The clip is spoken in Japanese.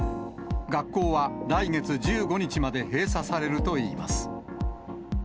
学校は来月１５日まで閉鎖されるといいます。